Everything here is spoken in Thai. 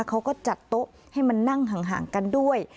เขาก็จัดโต๊ะให้มันนั่งห่างกันด้วย